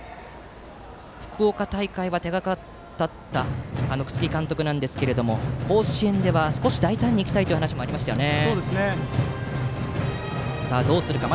福岡大会は手堅かった楠城監督ですが甲子園では少し大胆にいきたいという話もありましたよね。